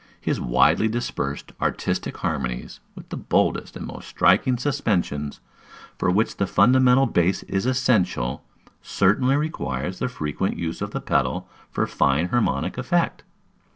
His widely dispersed, artistic harmonies, with the boldest and most striking suspensions, for which the fundamental bass is essential, certainly require the frequent use of the pedal for fine harmonic effect.